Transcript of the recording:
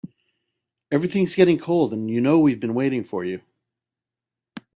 Everything's getting cold and you know we've been waiting for you.